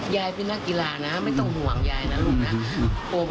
ยายเป็นนักกีฬานะไม่ต้องห่วงยายนะลูกนะ